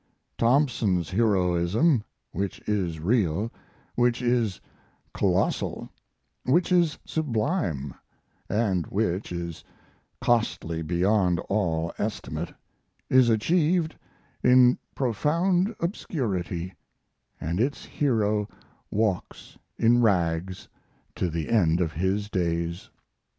Thompson's heroism, which is real, which is colossal, which is sublime, and which is costly beyond all estimate, is achieved in profound obscurity, and its hero walks in rags to the end of his days.